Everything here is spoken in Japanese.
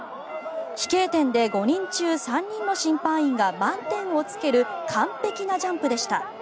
飛型点で５人中３人の審判員が満点をつける完璧なジャンプでした。